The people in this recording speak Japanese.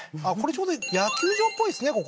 あっこれちょうど野球場っぽいですね